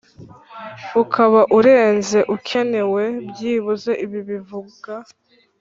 ukaba urenze ukenewe byibuze Ibi bivuga